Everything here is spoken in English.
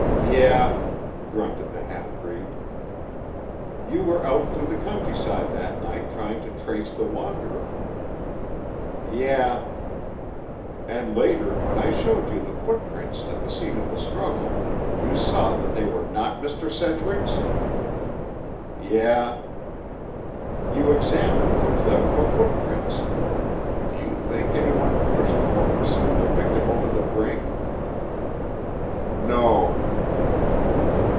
"Yeh," grunted the half breed. "You were out through the countryside that night trying to trace the wanderer." "Yeh." "And later when I showed you the footprints at the scene of the struggle, you saw that they were not Mr. Sedgwick's?" "Yeh." "You examined the cliff for footprints. Do you think any one pushed or pursued the victim over the brink?" "No."